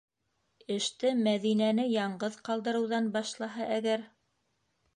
Эште Мәҙинәне яңғыҙ ҡалдырыуҙан башлаһа әгәр?